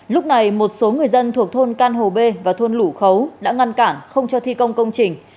lúc này một số người dân thuộc thôn can hồ b và thôn lũ khấu đã ngăn cản không cho thi công công trình